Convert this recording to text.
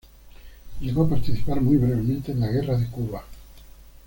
Llegó a participar, muy brevemente, en la guerra de Cuba.